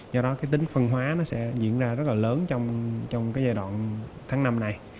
do đó tính phân hóa nó sẽ diễn ra rất là lớn trong giai đoạn tháng năm này